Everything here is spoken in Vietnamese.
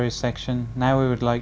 bây giờ chúng ta ăn thêm ở đây